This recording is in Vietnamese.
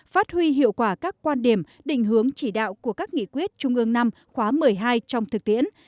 phát huy hiệu quả các quan điểm định hướng chỉ đạo của các nghị quyết trung ương năm khóa một mươi hai trong thực tiễn